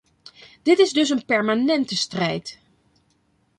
Dit is dus een permanente strijd.